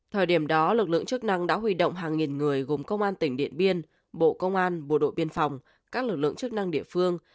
thời điểm đó lực lượng chức năng đã huy động hàng nghìn người gồm công an tỉnh điện biên bộ công an bộ đội biên phòng các lực lượng chức năng địa phương